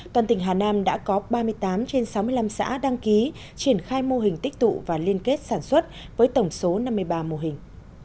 toàn tỉnh hà nam đã có ba mươi tám trên sáu mươi năm xã đăng ký triển khai mô hình tích tụ và liên kết sản xuất với tổng số năm mươi ba mô hình